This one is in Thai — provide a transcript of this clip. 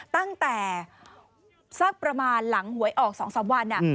ตั้งแต่สักประมาณหลังหวยออก๒๓วัน